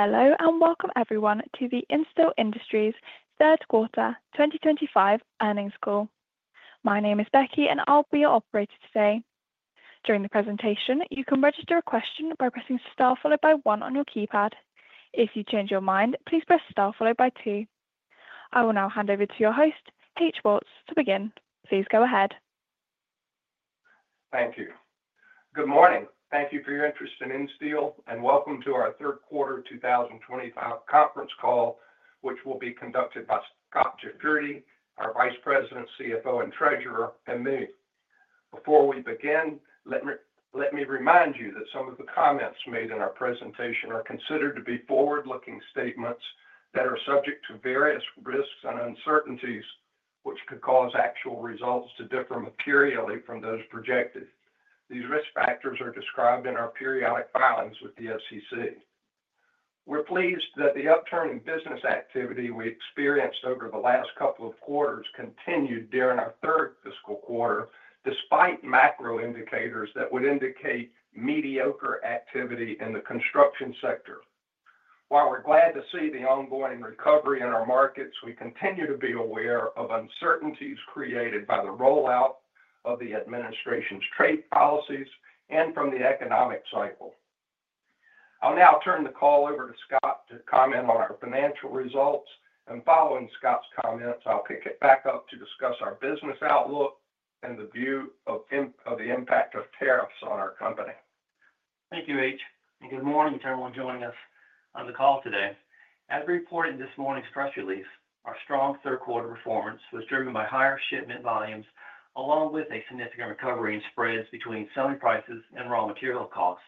Hello and welcome everyone to the Insteel Industries' Third Quarter 2025 Earnings Call. My name is [Becky], and I'll be your operator today. During the presentation, you can register a question by pressing star followed by one on your keypad. If you change your mind, please press star followed by two. I will now hand over to your host, H.O. Woltz III to begin. Please go ahead. Thank you. Good morning. Thank you for your interest in Insteel, and welcome to our third quarter 2025 conference call, which will be conducted by Scot Jafroodi, our Vice President, CFO and Treasurer, and me. Before we begin, let me remind you that some of the comments made in our presentation are considered to be forward-looking statements that are subject to various risks and uncertainties, which could cause actual results to differ materially from those projected. These risk factors are described in our periodic filings with the SEC. We're pleased that the upturn in business activity we experienced over the last couple of quarters continued during our third fiscal quarter, despite macro indicators that would indicate mediocre activity in the construction sector. While we're glad to see the ongoing recovery in our markets, we continue to be aware of uncertainties created by the rollout of the administration's trade policies and from the economic cycle. I'll now turn the call over to Scot to comment on our financial results, and following Scot's comments, I'll pick it back up to discuss our business outlook and the view of the impact of tariffs on our company. Thank you, H. And good morning to everyone joining us on the call today. As we report in this morning's press release, our strong third quarter performance was driven by higher shipment volumes, along with a significant recovery in spreads between selling prices and raw material costs.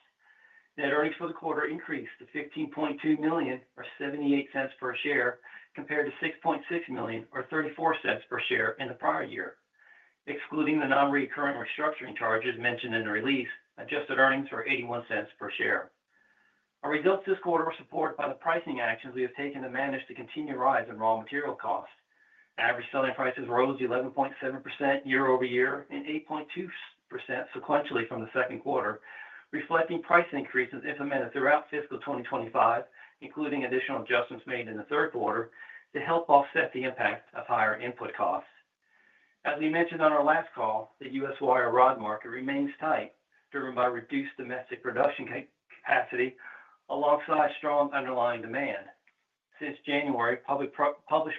Net earnings for the quarter increased to $15.2 million, or $0.78 per share, compared to $6.6 million, or $0.34 per share in the prior year. Excluding the non-recurring restructuring charges mentioned in the release, adjusted earnings were $0.81 per share. Our results this quarter were supported by the pricing actions we have taken to manage the continued rise in raw material costs. Average selling prices rose 11.7% year-over-year and 8.2% sequentially from the second quarter, reflecting price increases implemented throughout fiscal 2025, including additional adjustments made in the third quarter to help offset the impact of higher input costs. As we mentioned on our last call, the U.S. wire rod market remains tight, driven by reduced domestic production capacity alongside strong underlying demand. Since January, published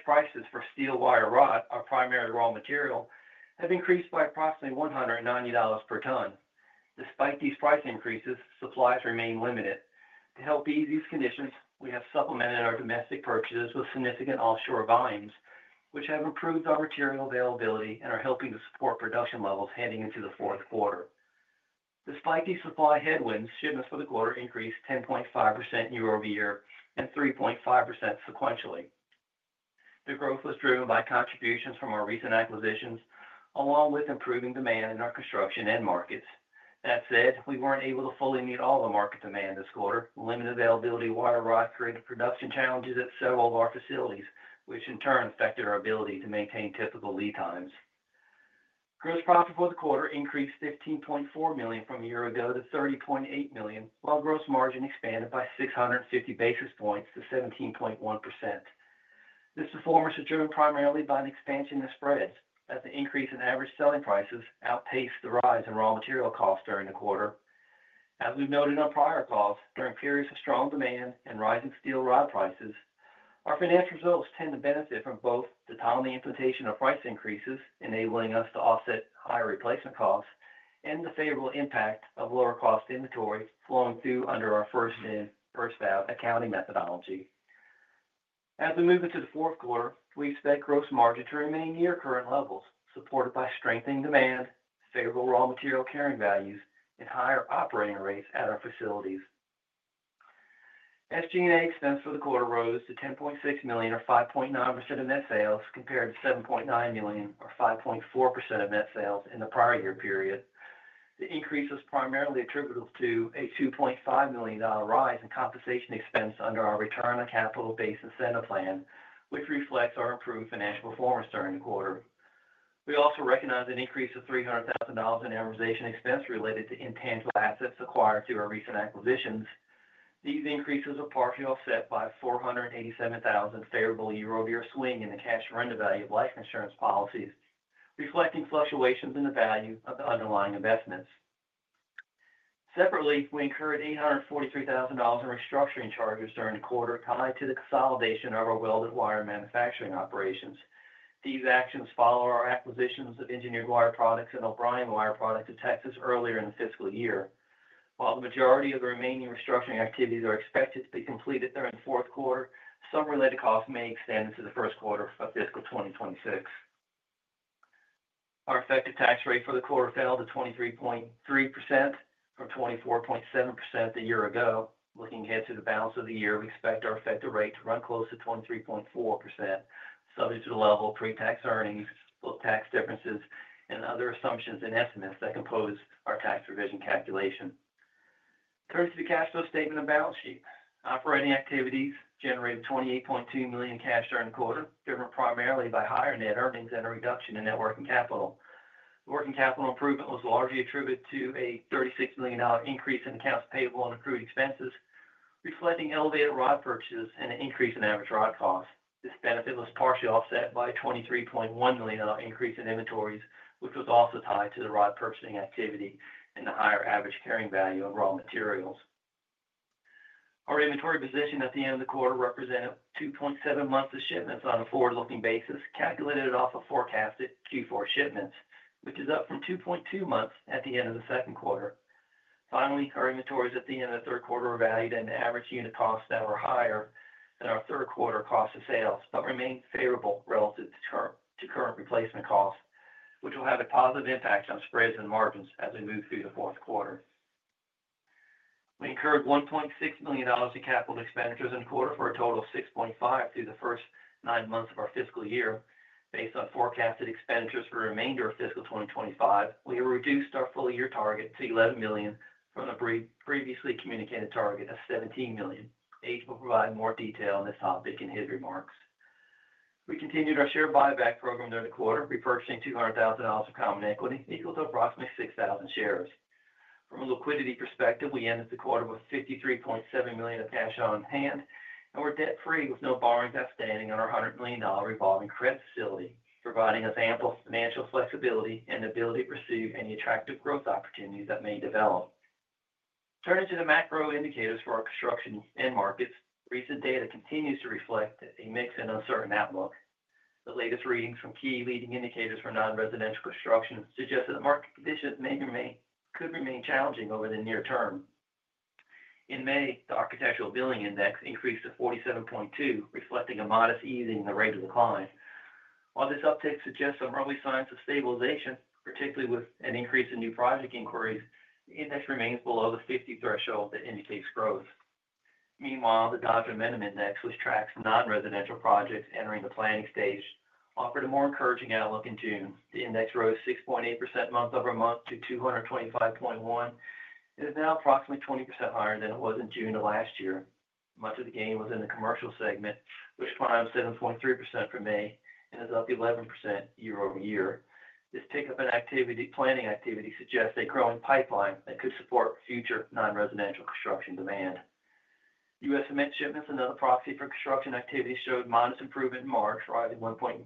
prices for steel wire rod, our primary raw material, have increased by approximately $190 per ton. Despite these price increases, supplies remain limited. To help ease these conditions, we have supplemented our domestic purchases with significant offshore volumes, which have improved our material availability and are helping to support production levels heading into the fourth quarter. Despite these supply headwinds, shipments for the quarter increased 10.5% year-over-year and 3.5% sequentially. The growth was driven by contributions from our recent acquisitions, along with improving demand in our construction and markets. That said, we weren't able to fully meet all the market demand this quarter. Limited availability of wire rod created production challenges at several of our facilities, which in turn affected our ability to maintain typical lead times. Gross profit for the quarter increased $15.4 million from a year ago to $30.8 million, while gross margin expanded by 650 basis points to 17.1%. This performance is driven primarily by an expansion in spreads, as the increase in average selling prices outpaced the rise in raw material costs during the quarter. As we've noted in our prior calls, during periods of strong demand and rising steel rod prices, our financial results tend to benefit from both the timely implication of price increases, enabling us to offset higher replacement costs, and the favorable impact of lower cost inventories flowing through under our first-in-purchase-out accounting methodology. As we move into the fourth quarter, we expect gross margin to remain near current levels, supported by strengthening demand, favorable raw material carrying values, and higher operating rates at our facilities. SG&A expense for the quarter rose to $10.6 million, or 5.9% of net sales, compared to $7.9 million, or 5.4% of net sales in the prior year period. The increase was primarily attributable to a $2.5 million rise in compensation expense under our return on capital-based incentive plan, which reflects our improved financial performance during the quarter. We also recognize an increase of $300,000 in amortization expense related to intangible assets acquired through our recent acquisitions. These increases are partially offset by a $487,000 favorable year-over-year swing in the cash surrender value of life insurance policies, reflecting fluctuations in the value of the underlying investments. Separately, we incurred $843,000 in restructuring charges during the quarter tied to the consolidation of our welded wire manufacturing operations. These actions follow our acquisitions of Engineered Wire Products and O’Brien Wire Products of Texas earlier in the fiscal year. While the majority of the remaining restructuring activities are expected to be completed during the fourth quarter, some related costs may extend to the first quarter of fiscal 2026. Our effective tax rate for the quarter fell to 23.3% from 24.7% the year ago. Looking into the balance of the year, we expect our effective rate to run close to 23.4%, subject to the level of pre-tax earnings, tax differences, and other assumptions and estimates that compose our tax provision calculation. Turning to the cash flow statement and the balance sheet, operating activities generated $28.2 million cash during the quarter, driven primarily by higher net earnings and a reduction in net working capital. Working capital improvement was largely attributed to a $36 million increase in accounts payable and accrued expenses, reflecting elevated rod purchases and an increase in average rod costs. This benefit was partially offset by a $23.1 million increase in inventories, which was also tied to the rod purchasing activity and the higher average carrying value of raw materials. Our inventory position at the end of the quarter represented 2.7 months of shipments on a forward-looking basis, calculated off of forecasted Q4 shipments, which is up from 2.2 months at the end of the second quarter. Finally, our inventories at the end of the third quarter were valued at an average unit cost that was higher than our third quarter cost of sales, but remained favorable relative to current replacement costs, which will have a positive impact on spreads and margins as we move through the fourth quarter. We incurred $1.6 million in capital expenditures in the quarter for a total of $6.5 million through the first nine months of our fiscal year. Based on forecasted expenditures for the remainder of fiscal 2025, we reduced our full-year target to $11 million from the previously communicated target of $17 million. H. will provide more detail on this topic in his remarks. We continued our share buyback program during the quarter, repurchasing $200,000 of common equity, equal to approximately 6,000 shares. From a liquidity perspective, we ended the quarter with $53.7 million of cash on hand, and we're debt-free with no borrowings outstanding on our $100 million revolving credit facility, providing us ample financial flexibility and the ability to pursue any attractive growth opportunities that may develop. Turning to the macro indicators for our construction and markets, recent data continues to reflect a mixed and uncertain outlook. The latest readings from key leading indicators for non-residential construction suggest that market conditions could remain challenging over the near term. In May, the Architectural Billing Index increased to 47.2%, reflecting a modest easing in the rate of decline. While this uptick suggests some early signs of stabilization, particularly with an increase in new project inquiries, the index remains below the 50% threshold that indicates growth. Meanwhile, the Dodge Amendment Index, which tracks non-residential projects entering the planning stage, offered a more encouraging outlook in June. The index rose 6.8% month-over-month to 225.1%, and is now approximately 20% higher than it was in June of last year. Much of the gain was in the commercial segment, which climbed 7.3% from May and is up 11% year-over-year. This pickup in activity planning activity suggests a growing pipeline that could support future non-residential construction demand. U.S. mixed shipments and other proxy for construction activities showed modest improvement in March, rising 1.4%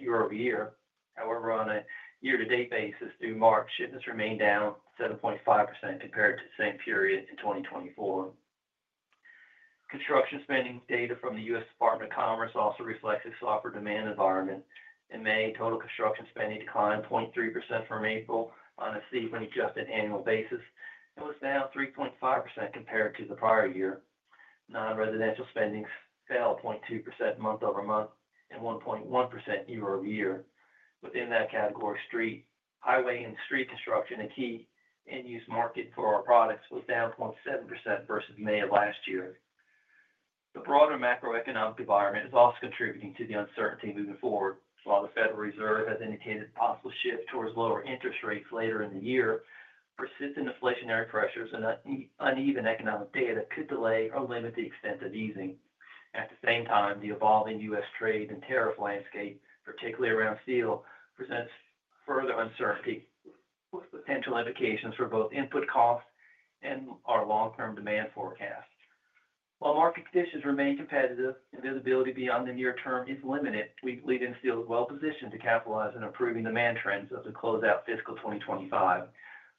year-over-year. However, on a year-to-date basis through March, shipments remained down 7.5% compared to the same period in 2024. Construction spending data from the U.S. Department of Commerce also reflects a softer demand environment. In May, total construction spending declined 0.3% from April on a sequence-adjusted annual basis and was down 3.5% compared to the prior year. Non-residential spending fell 0.2% month-over-month and 1.1% year-over-year. Within that category, highway and street construction, a key end-use market for our products, was down 0.7% versus May of last year. The broader macroeconomic environment is also contributing to the uncertainty moving forward. While the Federal Reserve has indicated a possible shift towards lower interest rates later in the year, persistent inflationary pressures and uneven economic data could delay or limit the extent of easing. At the same time, the evolving U.S. trade and tariff landscape, particularly around steel, presents further uncertainty, with potential implications for both input costs and our long-term demand forecast. While market conditions remain competitive and visibility beyond the near term is limited, we believe Insteel Industries is well positioned to capitalize on improving demand trends as we close out fiscal 2025.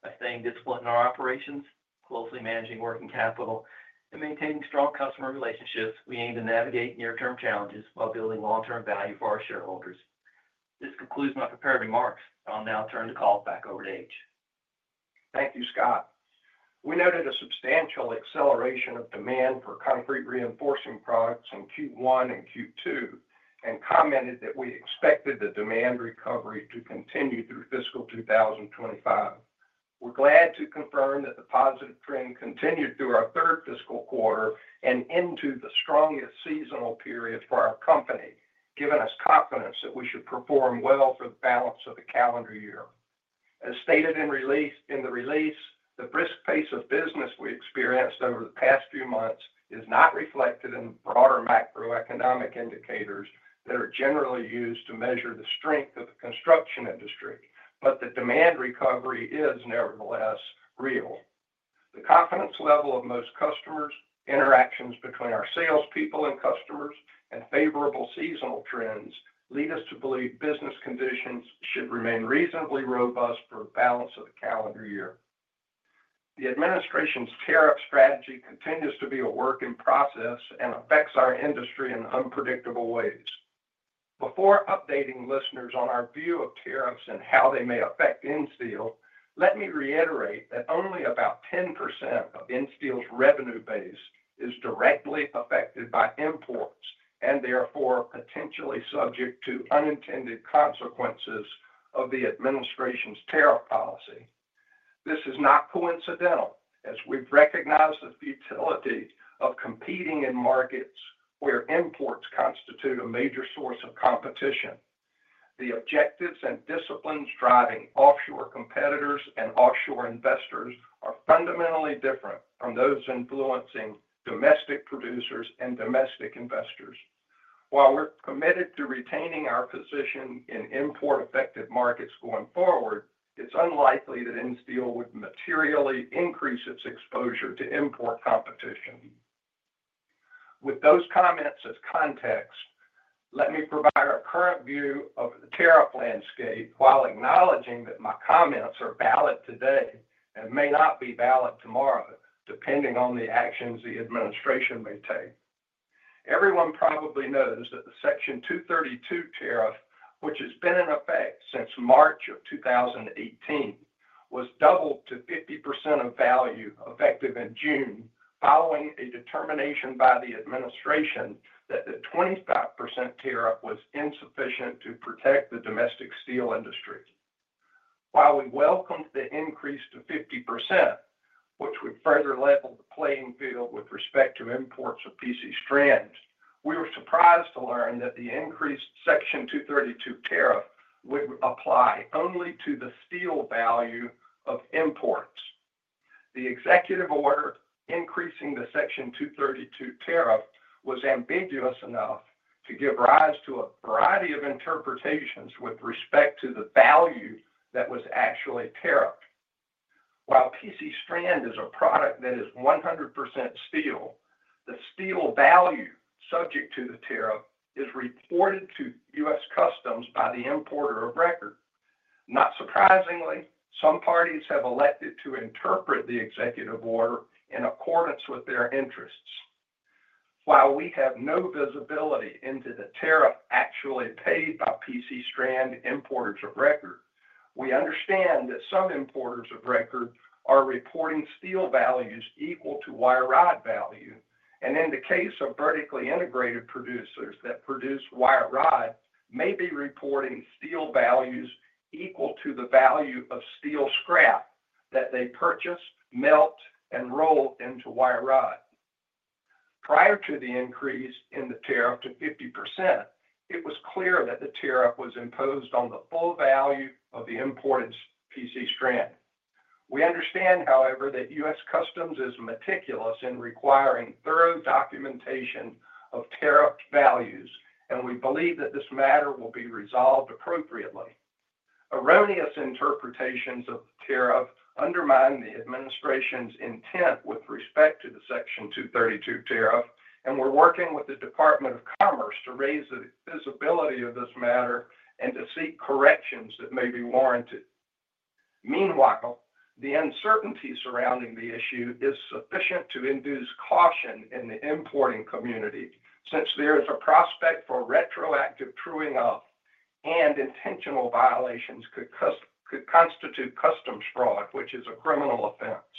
By staying disciplined in our operations, closely managing working capital, and maintaining strong customer relationships, we aim to navigate near-term challenges while building long-term value for our shareholders. This concludes my prepared remarks. I'll now turn the call back over to H. Thank you, Scot. We noted a substantial acceleration of demand for concrete reinforcing products in Q1 and Q2 and commented that we expected the demand recovery to continue through fiscal 2025. We're glad to confirm that the positive trend continued through our third fiscal quarter and into the strongest seasonal period for our company, giving us confidence that we should perform well for the balance of the calendar year. As stated in the release, the brisk pace of business we experienced over the past few months is not reflected in broader macroeconomic indicators that are generally used to measure the strength of the construction industry, but the demand recovery is nevertheless real. The confidence level of most customers, interactions between our salespeople and customers, and favorable seasonal trends lead us to believe business conditions should remain reasonably robust for the balance of the calendar year. The administration's tariff strategy continues to be a work in process and affects our industry in unpredictable ways. Before updating listeners on our view of tariffs and how they may affect Insteel Industries, let me reiterate that only about 10% of Insteel's revenue base is directly affected by imports and therefore potentially subject to unintended consequences of the administration's tariff policy. This is not coincidental, as we've recognized the futility of competing in markets where imports constitute a major source of competition. The objectives and disciplines driving offshore competitors and offshore investors are fundamentally different from those influencing domestic producers and domestic investors. While we're committed to retaining our position in import-affected markets going forward, it's unlikely that Insteel Industries would materially increase its exposure to import competition. With those comments as context, let me provide our current view of the tariff landscape while acknowledging that my comments are valid today and may not be valid tomorrow, depending on the actions the administration may take. Everyone probably knows that the Section 232 tariff, which has been in effect since March of 2018, was doubled to 50% of value effective in June, following a determination by the administration that the 25% tariff was insufficient to protect the domestic steel industry. While we welcomed the increase to 50%, which would further level the playing field with respect to imports of PC strand, we were surprised to learn that the increased Section 232 tariff would apply only to the steel value of imports. The executive order increasing the Section 232 tariff was ambiguous enough to give rise to a variety of interpretations with respect to the value that was actually tariffed. While PC strand is a product that is 100% steel, the steel value subject to the tariff is reported to U.S. Customs by the importer of record. Not surprisingly, some parties have elected to interpret the executive order in accordance with their interests. While we have no visibility into the tariff actually paid by PC strand importers of record, we understand that some importers of record are reporting steel values equal to wire rod value, and in the case of vertically integrated producers that produce wire rod, may be reporting steel values equal to the value of steel scrap that they purchase, melt, and roll into wire rod. Prior to the increase in the tariff to 50%, it was clear that the tariff was imposed on the full value of the imported PC strand. We understand, however, that U.S. Customs is meticulous in requiring thorough documentation of tariff values, and we believe that this matter will be resolved appropriately. Erroneous interpretations of the tariff undermine the administration's intent with respect to the Section 232 tariff, and we're working with the Department of Commerce to raise the visibility of this matter and to seek corrections that may be warranted. Meanwhile, the uncertainty surrounding the issue is sufficient to induce caution in the importing community, since there is a prospect for retroactive truing up, and intentional violations could constitute customs fraud, which is a criminal offense.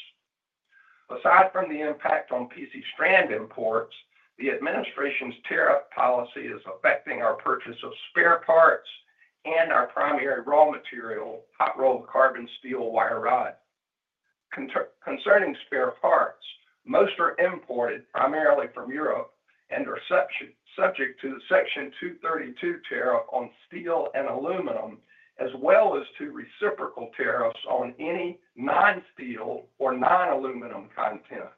Aside from the impact on PC strand imports, the administration's tariff policy is affecting our purchase of spare parts and our primary raw material, rolled carbon steel wire rod. Concerning spare parts, most are imported primarily from Europe and are subject to Section 232 tariff on steel and aluminum, as well as to reciprocal tariffs on any non-steel or non-aluminum content.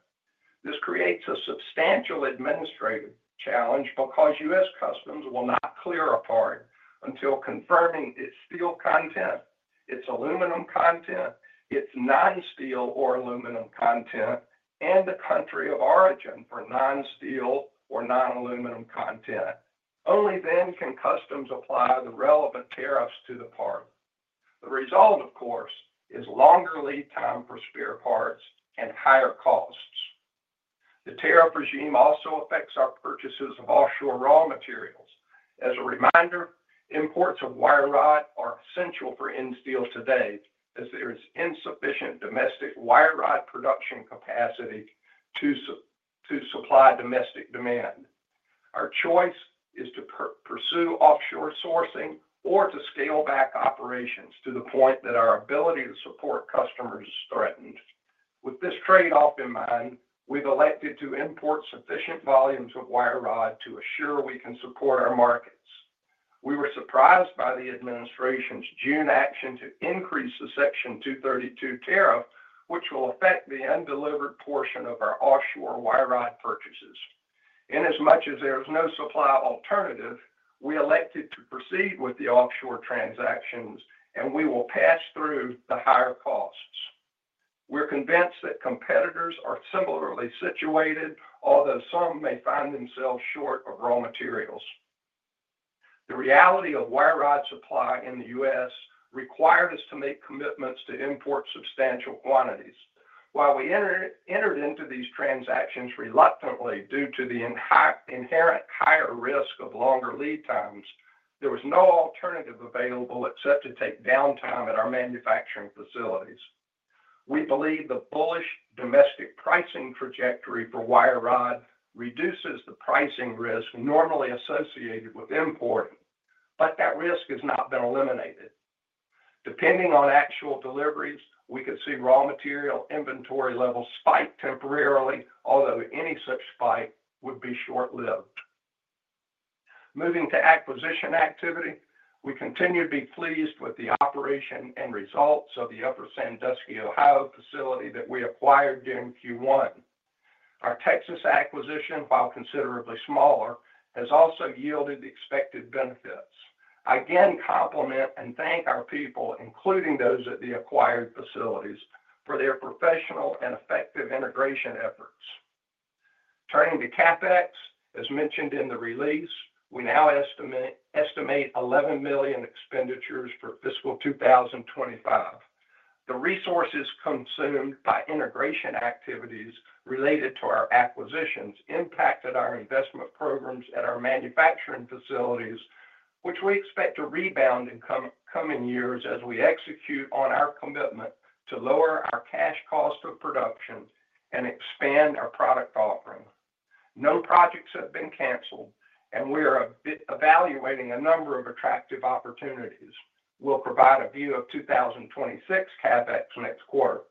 This creates a substantial administrative challenge because U.S. Customs will not clear a party until confirming its steel content, its aluminum content, its non-steel or aluminum content, and the country of origin for non-steel or non-aluminum content. Only then can Customs apply the relevant tariffs to the party. The result, of course, is longer lead time for spare parts and higher costs. The tariff regime also affects our purchases of offshore raw materials. As a reminder, imports of wire rod are essential for Insteel Industries today, as there is insufficient domestic wire rod production capacity to supply domestic demand. Our choice is to pursue offshore sourcing or to scale back operations to the point that our ability to support customers is threatened. With this trade-off in mind, we've elected to import sufficient volumes of wire rod to assure we can support our markets. We were surprised by the administration's June action to increase the Section 232 tariff, which will affect the undelivered portion of our offshore wire rod purchases. In as much as there is no supply alternative, we elected to proceed with the offshore transactions, and we will pass through the higher costs. We're convinced that competitors are similarly situated, although some may find themselves short of raw materials. The reality of wire rod supply in the U.S. required us to make commitments to import substantial quantities. While we entered into these transactions reluctantly due to the inherent higher risk of longer lead times, there was no alternative available except to take downtime at our manufacturing facilities. We believe the bullish domestic pricing trajectory for wire rod reduces the pricing risk normally associated with importing, but that risk has not been eliminated. Depending on actual deliveries, we could see raw material inventory levels spike temporarily, although any such spike would be short-lived. Moving to acquisition activity, we continue to be pleased with the operation and results of the Upper Sandusky, Ohio, facility that we acquired during Q1. Our Texas acquisition, while considerably smaller, has also yielded the expected benefits. I again compliment and thank our people, including those at the acquired facilities, for their professional and effective integration efforts. Turning to CapEx, as mentioned in the release, we now estimate $11 million expenditures for fiscal 2025. The resources consumed by integration activities related to our acquisitions impacted our investment programs at our manufacturing facilities, which we expect to rebound in coming years as we execute on our commitment to lower our cash cost of production and expand our product offering. No projects have been canceled, and we are evaluating a number of attractive opportunities. We'll provide a view of 2026 CapEx next quarter.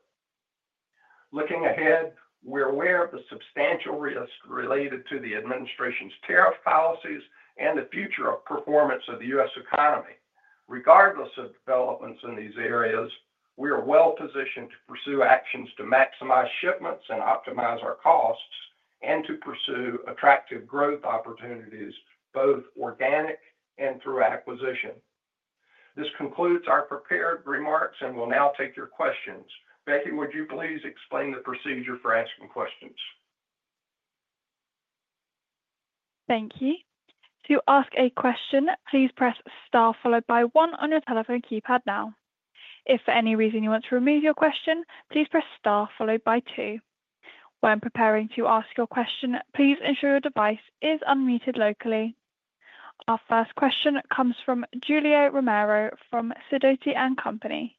Looking ahead, we're aware of the substantial risks related to the administration's tariff policies and the future performance of the U.S. economy. Regardless of developments in these areas, we are well positioned to pursue actions to maximize shipments and optimize our costs and to pursue attractive growth opportunities, both organic and through acquisition. This concludes our prepared remarks and will now take your questions. Becky, would you please explain the procedure for asking questions? Thank you. To ask a question, please press star followed by one on your telephone keypad now. If for any reason you want to remove your question, please press star followed by two. When preparing to ask your question, please ensure your device is unmuted locally. Our first question comes from Julio Romero from Sidoti & Company.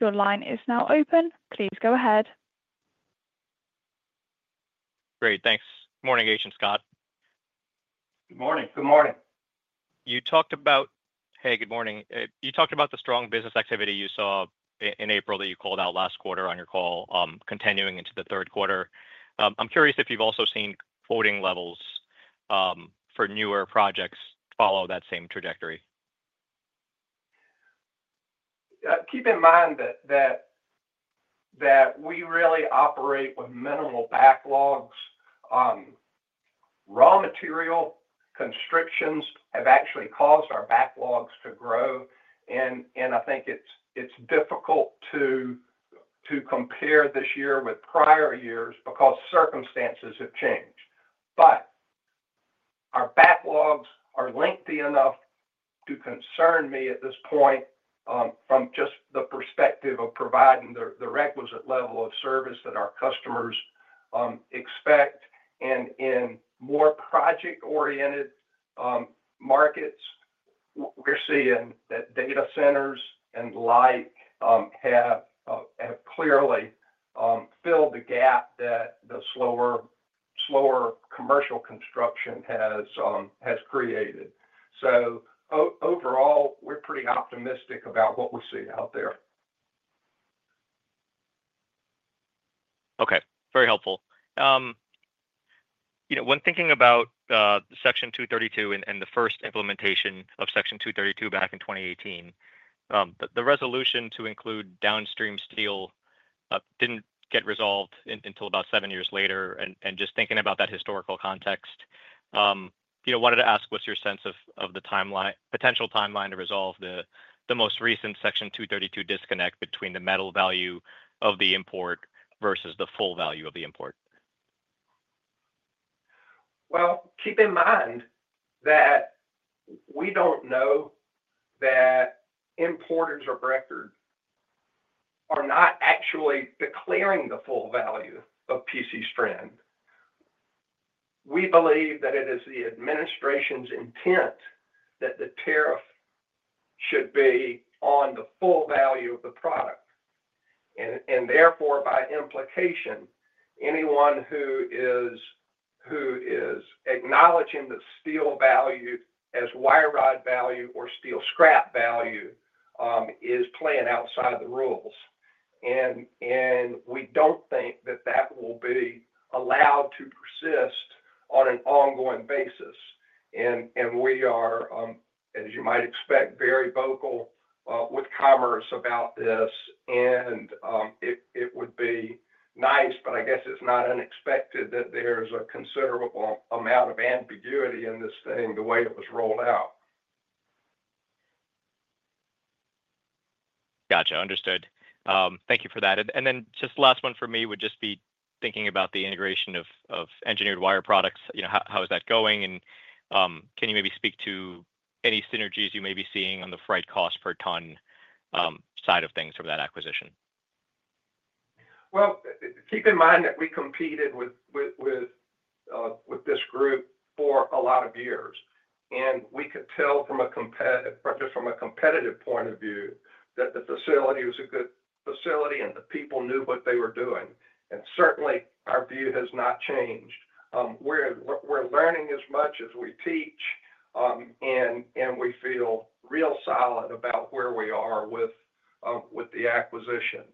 Your line is now open. Please go ahead. Great, thanks. Good morning, H. and Scot. Good morning. Good morning. You talked about the strong business activity you saw in April that you called out last quarter on your call, continuing into the third quarter. I'm curious if you've also seen quoting levels for newer projects follow that same trajectory. Keep in mind that we really operate with minimal backlogs. Raw material constrictions have actually caused our backlogs to grow, and I think it's difficult to compare this year with prior years because circumstances have changed. Our backlogs are lengthy enough to concern me at this point from just the perspective of providing the requisite level of service that our customers expect. In more project-oriented markets, we're seeing that data centers and the like have clearly filled the gap that the slower commercial construction has created. Overall, we're pretty optimistic about what we see out there. Okay. Very helpful. You know, when thinking about Section 232 and the first implementation of Section 232 back in 2018, the resolution to include downstream steel did not get resolved until about seven years later. Just thinking about that historical context, I wanted to ask, what's your sense of the potential timeline to resolve the most recent Section 232 disconnect between the metal value of the import versus the full value of the import? Keep in mind that we don't know that importers of record are not actually declaring the full value of PC strand. We believe that it is the administration's intent that the tariff should be on the full value of the product. Therefore, by implication, anyone who is acknowledging the steel value as wire rod value or steel scrap value is playing outside of the rules. We don't think that that will be allowed to persist on an ongoing basis. We are, as you might expect, very vocal with the Department of Commerce about this. It would be nice, but I guess it's not unexpected that there's a considerable amount of ambiguity in this thing the way it was rolled out. Gotcha. Understood. Thank you for that. Just the last one for me would just be thinking about the integration of Engineered Wire Products. You know, how is that going? Can you maybe speak to any synergies you may be seeing on the freight cost per ton side of things from that acquisition? Keep in mind that we competed with this group for a lot of years. We could tell from a competitive point of view that the facility was a good facility, and the people knew what they were doing. Certainly, our view has not changed. We're learning as much as we teach, and we feel real solid about where we are with the acquisition.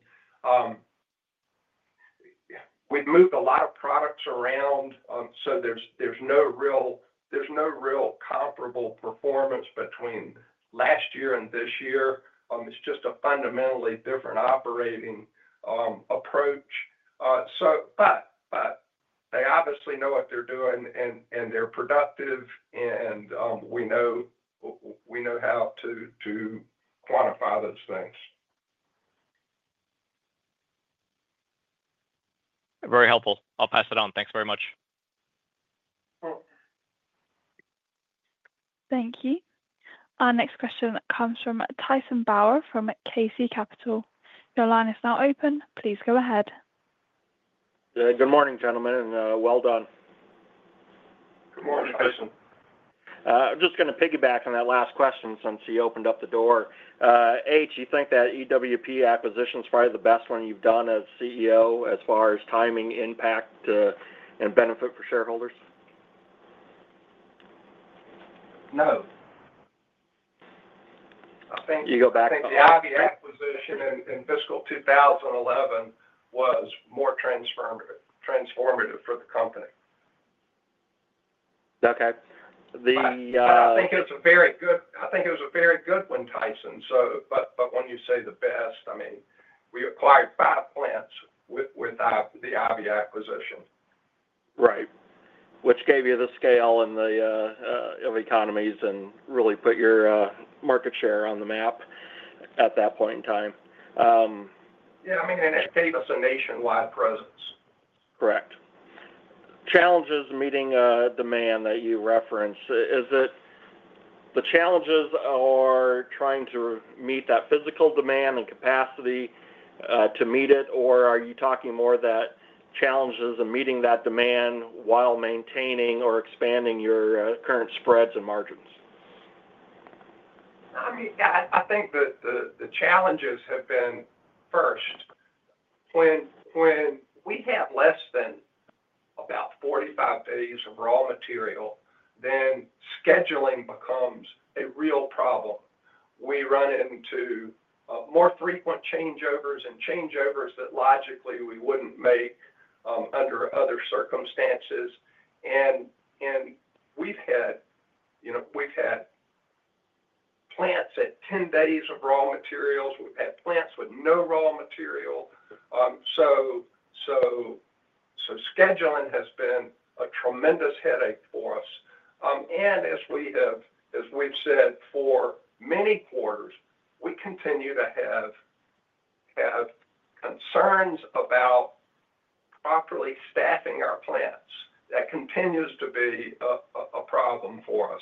We've moved a lot of products around, so there's no real comparable performance between last year and this year. It's just a fundamentally different operating approach. They obviously know what they're doing, they're productive, and we know how to quantify those things. Very helpful. I'll pass it on. Thanks very much. Thank you. Our next question comes from Tyson Bauer from KC Capital. Your line is now open. Please go ahead. Good morning, gentlemen, and well done. Good morning, Tyson. I'm just going to piggyback on that last question since he opened up the door. H., you think that Engineered Wire Products acquisition is probably the best one you've done as CEO as far as timing, impact, and benefit for shareholders? No. You go back. I think the acquisition in fiscal 2011 was more transformative for the company. Okay. I think it was a very good one, Tyson. When you say the best, I mean, we acquired five plants without the IV acquisition. Right. Which gave you the scale and the economies, and really put your market share on the map at that point in time. Yeah, I mean, and it's pretty much a nationwide presence. Correct. Challenges meeting a demand that you referenced, is it the challenges are trying to meet that physical demand and capacity to meet it, or are you talking more that challenges in meeting that demand while maintaining or expanding your current spreads and margins? I think that the challenges have been first, when we have less than about 45 days of raw material, then scheduling becomes a real problem. We run into more frequent changeovers and changeovers that logically we wouldn't make under other circumstances. We've had plants at 10 days of raw materials. We've had plants with no raw material. Scheduling has been a tremendous headache for us. As we've said for many quarters, we continue to have concerns about properly staffing our plants. That continues to be a problem for us.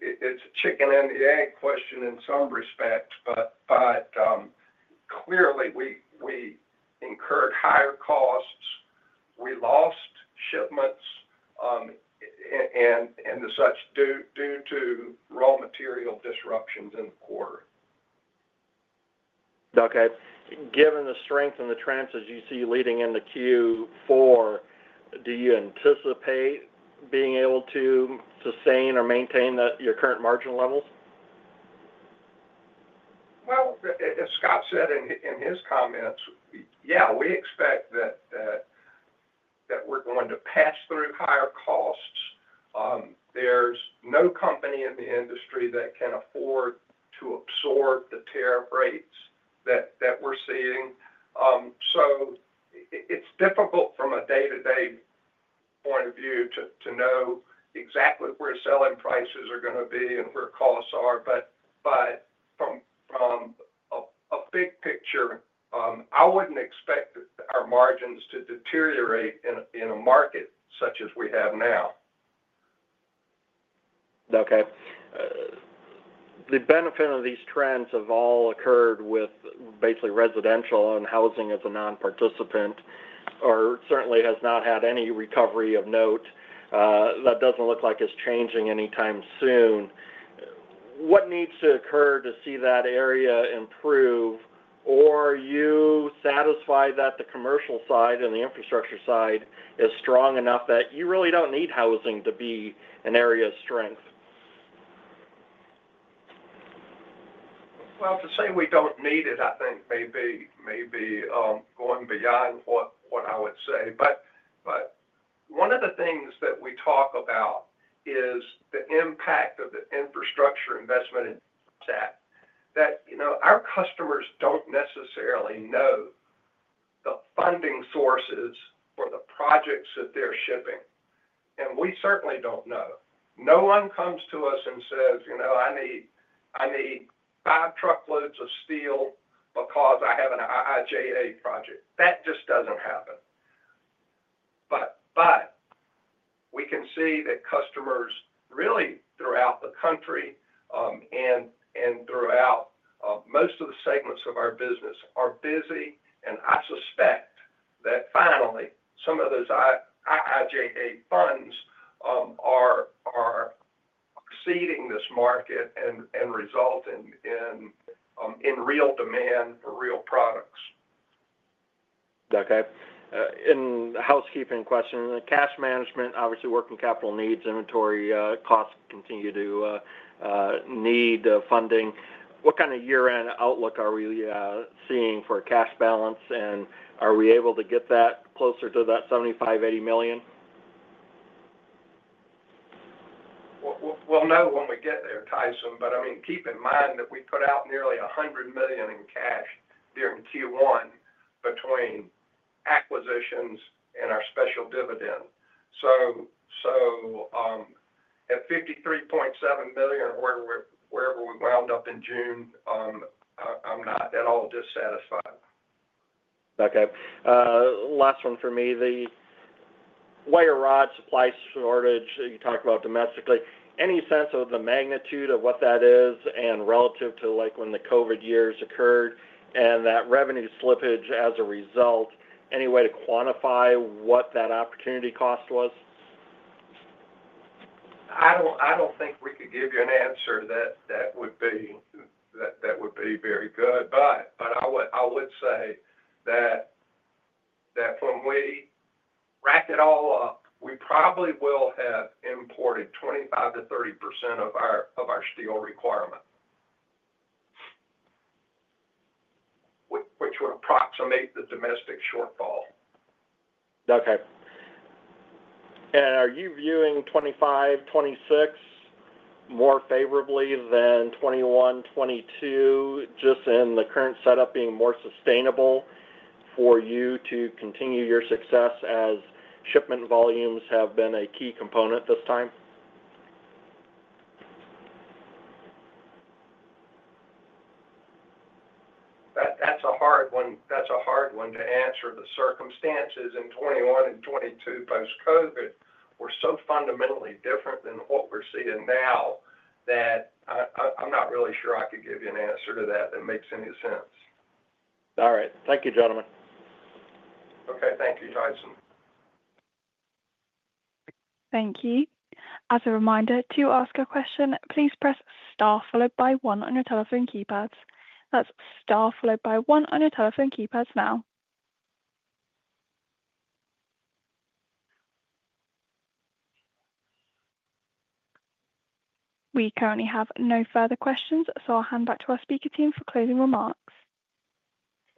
It's a chicken and the egg question in some respect, but clearly, we incurred higher costs. We lost shipments due to raw material disruptions in the quarter. Okay. Given the strength and the tranches you see leading in the Q4, do you anticipate being able to sustain or maintain your current margin levels? As Scot said in his comments, yeah, we expect that we're going to pass through higher costs. There's no company in the industry that can afford to absorb the tariff rates that we're seeing. It's difficult from a day-to-day point of view to know exactly where selling prices are going to be and where costs are. From a big picture, I wouldn't expect our margins to deteriorate in a market such as we have now. Okay. The benefit of these trends have all occurred with basically residential and housing as a non-participant, or certainly has not had any recovery of note. That doesn't look like it's changing anytime soon. What needs to occur to see that area improve, or are you satisfied that the commercial side and the infrastructure side is strong enough that you really don't need housing to be an area of strength? To say we don't need it, I think maybe going beyond what I would say. One of the things that we talk about is the impact of the infrastructure investment in tech that, you know, our customers don't necessarily know the funding sources for the projects that they're shipping. We certainly don't know. No one comes to us and says, "You know, I need five truckloads of steel because I have an IIJA project." That just doesn't happen. We can see that customers really throughout the country and throughout most of the segments of our business are busy. I suspect that finally, some of those IIJA funds are seeding this market and resulting in real demand for real products. Okay. The housekeeping question, the cash management, obviously, working capital needs, inventory costs continue to need funding. What kind of year-end outlook are we seeing for cash balance, and are we able to get that closer to that $75 million-$80 million? We'll know when we get there, Tyson. Keep in mind that we put out nearly $100 million in cash during Q1 between acquisitions and our special dividend. At $53.7 million where we wound up in June, I'm not at all dissatisfied. Okay. Last one for me, the wire rod supply shortage that you talked about domestically, any sense of the magnitude of what that is, and relative to like when the COVID years occurred and that revenue slippage as a result, any way to quantify what that opportunity cost was? I don't think we could give you an answer that would be very good. I would say that when we wrapped it all up, we probably will have imported 25%-30% of our steel requirement, which would approximate the domestic shortfall. Are you viewing 2025, 2026 more favorably than 2021, 2022, just in the current setup being more sustainable for you to continue your success as shipment volumes have been a key component this time? That's a hard one to answer. The circumstances in 2021 and 2022 post-COVID were so fundamentally different than what we're seeing now that I'm not really sure I could give you an answer to that that makes any sense. All right. Thank you, gentlemen. Okay. Thank you, Tyson. Thank you. As a reminder, to ask a question, please press star followed by one on your telephone keypads. That's star followed by one on your telephone keypads now. We currently have no further questions, so I'll hand back to our speaker team for closing remarks.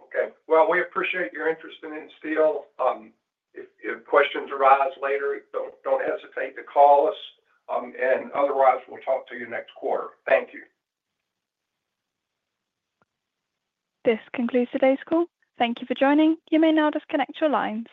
Okay. We appreciate your interest in Insteel Industries. If questions arise later, don't hesitate to call us. Otherwise, we'll talk to you next quarter. Thank you. This concludes today's call. Thank you for joining. You may now disconnect your lines.